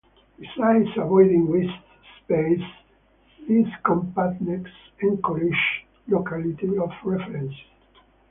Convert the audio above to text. Besides avoiding wasted space, this compactness encourages locality of reference.